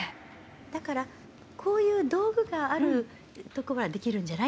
だから、こういう道具があるものはできるんじゃない？